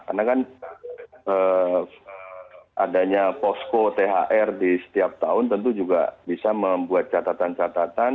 karena kan adanya posko thr di setiap tahun tentu juga bisa membuat catatan catatan